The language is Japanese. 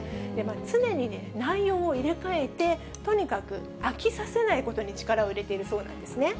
常に内容を入れ替えて、とにかく飽きさせないことに力を入れているそうなんですね。